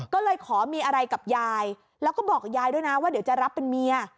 ก็เลยขอมีอะไรกับยายแล้วก็บอกยายด้วยนะว่าเดี๋ยวจะรับเป็นเมีย